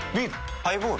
ハイボール？